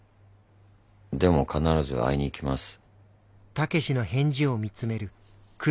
でも必ず会いにいきます